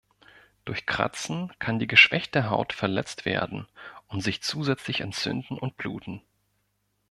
Durch Kratzen kann die geschwächte Haut verletzt werden und sich zusätzlich entzünden und bluten.